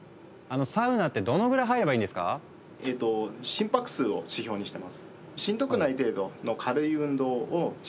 心拍数を指標にしてます。